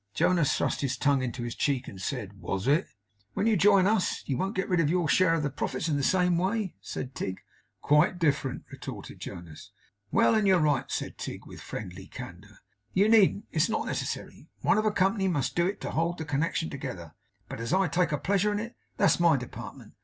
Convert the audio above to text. Jonas thrust his tongue into his cheek, and said, 'Was it?' 'When you join us, you won't get rid of your share of the profits in the same way?' said Tigg. 'Quite different,' retorted Jonas. 'Well, and you're right,' said Tigg, with friendly candour. 'You needn't. It's not necessary. One of a Company must do it to hold the connection together; but, as I take a pleasure in it, that's my department.